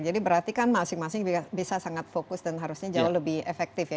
jadi berarti kan masing masing bisa sangat fokus dan harusnya jauh lebih efektif ya